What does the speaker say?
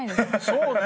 そうね。